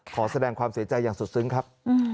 ขอแสดงความเสียใจอย่างสุดซึ้งครับ